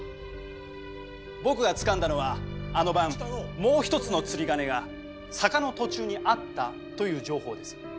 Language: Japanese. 僕がつかんだのはあの晩もう一つの釣り鐘が坂の途中にあったという情報です。